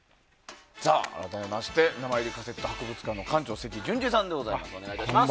改めまして名前入りカセット博物館、館長の関純治さんです。